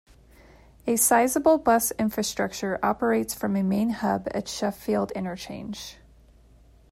A sizeable bus infrastructure operates from a main hub at Sheffield Interchange.